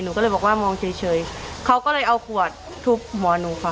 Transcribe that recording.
ก็เลยบอกว่ามองเฉยเขาก็เลยเอาขวดทุบหัวหนูค่ะ